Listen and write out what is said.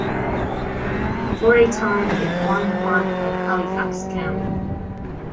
For a time it formed part of Halifax County.